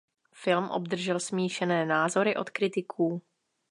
Film obdržel smíšené názory od kritiků.